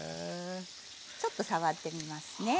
ちょっと触ってみますね。